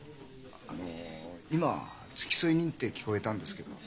あの今付添人って聞こえたんですけども。